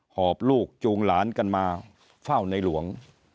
หอบลูกจูงหลานกันมาเฝ้าในหลวง